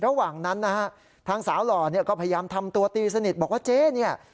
ระหว่างนั้นนะฮะทางสาวหล่อเนี่ยก็พยายามทำตัวตีสนิทบอกว่าเจ๊เนี่ย